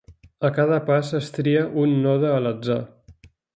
A cada pas es tria un node a l'atzar.